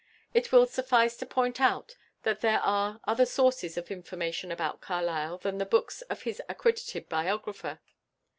It will suffice to point out here that there are other sources of information about Carlyle than the books of his accredited biographer.